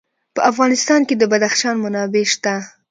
په افغانستان کې د بدخشان منابع شته.